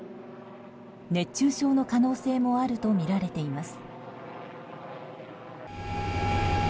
熱中症の可能性もあるとみられています。